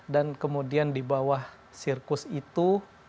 dan kemudian di bawah sirkus itu